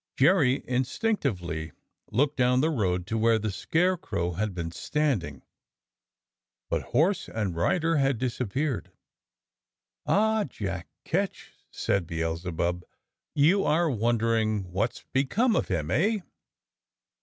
Jerry instinctively looked down the road to where the Scarecrow had been stand ing, but horse and rider had disappeared. "Ah! Jack Ketch," said Beelzebub, "you are wondering wot's be come of him, eh?